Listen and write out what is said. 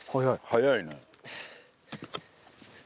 早いね。